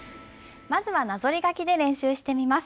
まずはなぞり書きで練習してみます。